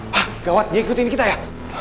wah gawat dia ikutin kita ya